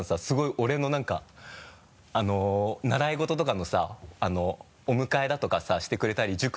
すごい俺のなんかあの習い事とかのさあのお迎えだとかさしてくれたり。